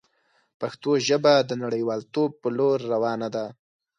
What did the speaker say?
پښتو ژبه د نړیوالتوب په لور روانه ده.